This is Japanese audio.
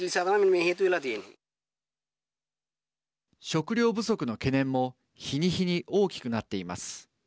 食料不足の懸念も日に日に大きくなっています。